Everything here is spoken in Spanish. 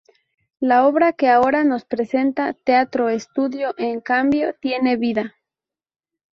La obra que ahora nos presenta Teatro Estudio, en cambio, tiene vida.